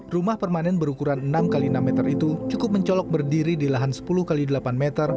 rumah permanen berukuran enam x enam meter itu cukup mencolok berdiri di lahan sepuluh x delapan meter